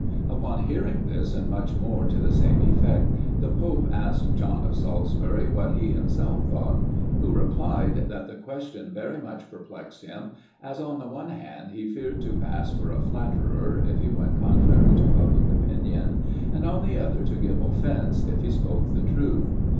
Upon hearing this, and much more to the same effect, the pope asked John of Salisbury what he himself thought? Who replied, that the question very much perplexed him, as, on the one hand, he feared to pass for a flatterer, if he went contrary to public opinion, and on the other, to give offence, if he spoke the truth.